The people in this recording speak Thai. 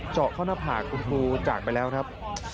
เจาะเข้าหน้าผากคุณครูจากไปแล้วครับ